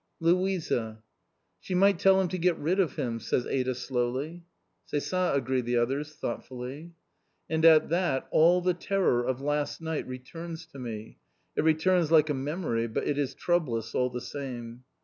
"Louisa!" "She might tell him to get rid of him," says Ada slowly. "C'est ça!" agree the others thoughtfully. And at that all the terror of last night returns to me. It returns like a memory, but it is troublous all the same.